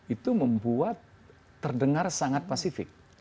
itu membuat terdengar sangat pasifik